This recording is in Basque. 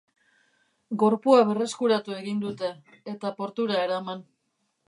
Gorpua berreskuratu egin dute, eta portura eraman.